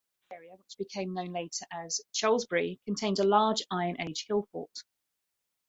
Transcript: This area which became known later as Cholesbury contained a large Iron Age Hillfort.